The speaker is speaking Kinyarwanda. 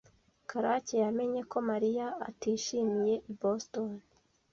Karake yamenye ko Mariya atishimiye i Boston.